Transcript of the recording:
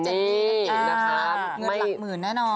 เงินหลักหมื่นน่ะนอน